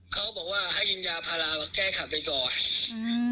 เขาบอกให้กินยาพราแก้ขับไปก่อนผมก็พูดไม่ออก